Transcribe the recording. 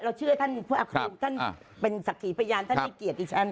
เราเชื่อท่านผู้อาคุมท่านเป็นศักดิ์ภรรยาท่านขี้เกียจดิฉัน